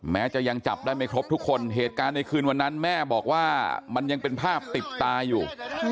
แม้จะยังจับได้ไม่ครบทุกคนเหตุการณ์ในคืนวันนั้นแม่บอกว่ามันยังเป็นภาพติดตาอยู่